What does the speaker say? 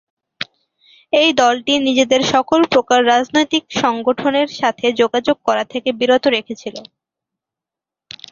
এই দলটি নিজেদের সকল প্রকার রাজনৈতিক সংগঠনের সাথে যোগাযোগ করা থেকে বিরত রেখেছিল।